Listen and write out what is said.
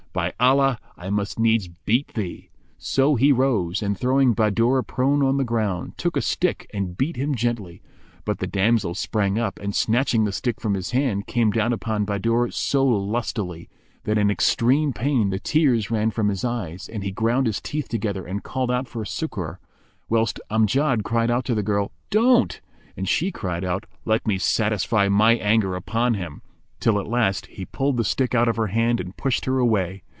By Allah, I must needs beat thee." So he rose and, throwing Bahadur prone on the ground, took a stick and beat him gently; but the damsel sprang up and, snatching the stick from his hand, came down upon Bahadur so lustily, that in extreme pain the tears ran from his eyes and he ground his teeth together and called out for succour; whilst Amjad cried out to the girl "Don't"; and she cried out, "Let me satisfy my anger upon him!" till at last he pulled the stick out of her hand and pushed her away.